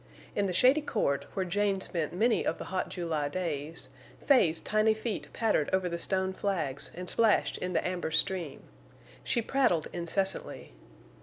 In the shady court, where Jane spent many of the hot July days, Fay's tiny feet pattered over the stone flags and splashed in the amber stream. She prattled incessantly.